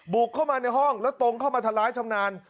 บุกเข้ามาในห้องแล้วตรงเข้ามาทำร้ายชำนาญ